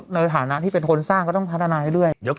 ในฐานะที่เป็นคนสร้างก็ต้องพัฒนาให้เรื่อย